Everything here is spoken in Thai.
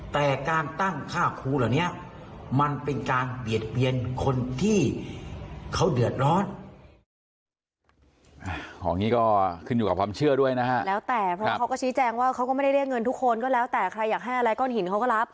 แต่การตั้งค่าครูเหล่านี้มันเป็นการเบียดเบียนคนที่เขาเดือดร้อน